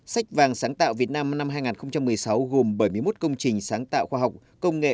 sách vàng sáng tạo việt nam năm hai nghìn một mươi sáu gồm bảy mươi một công trình sáng tạo khoa học công nghệ